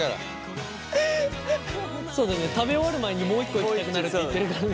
そうだね食べ終わる前にもう一個いきたくなるって言ってるから。